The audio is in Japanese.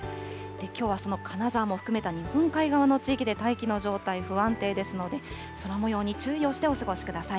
きょうはその金沢も含めた日本海側の地域で大気の状態不安定ですので、空もように注意をしてお過ごしください。